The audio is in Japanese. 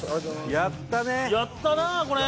やったねやったなこれ・